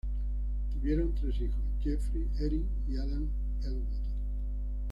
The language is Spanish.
Tuvieron tres hijos, Jeffrey, Erin y Adam Ellwood.